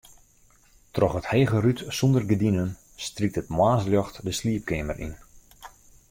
Troch it hege rút sûnder gerdinen strykt it moarnsljocht de sliepkeamer yn.